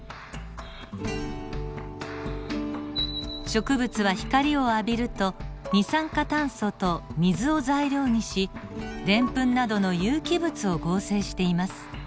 植物は光を浴びると二酸化炭素と水を材料にしデンプンなどの有機物を合成しています。